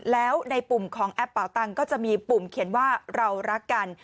แล้วในปุ่มของแอปเป่าตังก็จะมีปุ่มเขียนว่าเรารักกัน